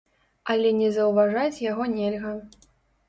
Але не заўважаць яго нельга.